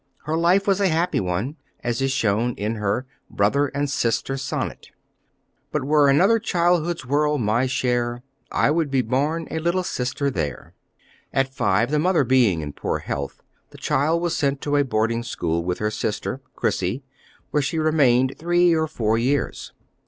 Her life was a happy one, as is shown in her Brother and Sister Sonnet: "But were another childhood's world my share, I would be born a little sister there." At five, the mother being in poor health, the child was sent to a boarding school with her sister, Chrissy, where she remained three or four years.